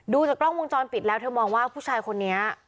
จากกล้องวงจรปิดแล้วเธอมองว่าผู้ชายคนนี้